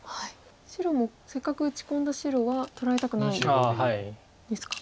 白もせっかく打ち込んだ白は取られたくないですか。